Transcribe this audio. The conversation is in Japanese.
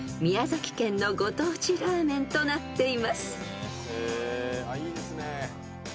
［宮崎県のご当地ラーメンとなっています］